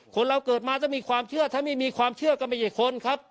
คนเราเกิดมาถ้ามีความเชื่อถ้าไม่มีความเชื่อก็ไม่ใช่คนครับ